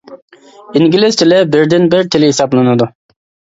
ئىنگلىز تىلى بىردىن بىر تىل ھېسابلىنىدۇ.